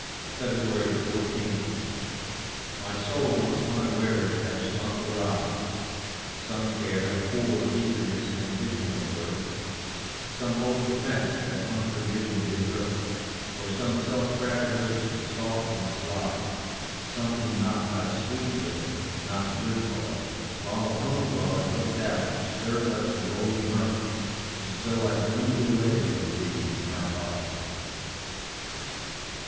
14. My soul must unawares have sunk awry. Some care, poor eagerness, ambition of work, Some old offence that unforgiving did lurk, Or some self gratulation, soft and sly Something not thy sweet will, not the good part, While the home guard looked out, stirred up the old murk, And so I gloomed away from thee, my Heart.